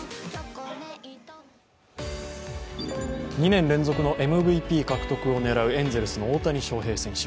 ２年連続ＭＶＰ獲得を狙うエンゼルスの大谷翔平選手。